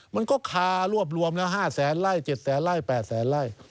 มันก็คารวบรวมแล้ว๕แสนไล่๗แสนไล่๘แสนไล่